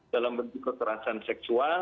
dalam bentuk kekerasan seksual